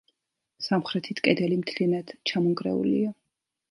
სამხრეთით კედელი მთლიანად ჩამონგრეულია.